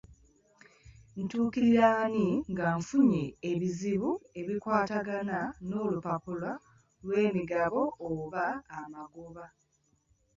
Ntuukirira ani nga nfunye ebizibu ebikwatagana n'olupapula lw'emigabo oba amagoba?